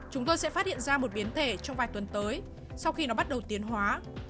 chúng tôi sẽ phát hiện ra một biến thể trong vài tuần tới sau khi nó bắt đầu tiến hóa